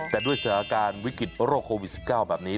แต่ด้วยสถานการณ์วิกฤตโรคโควิด๑๙แบบนี้